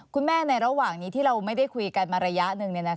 ในระหว่างนี้ที่เราไม่ได้คุยกันมาระยะหนึ่ง